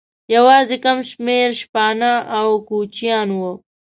یوازې کم شمېر شپانه او کوچیان وو.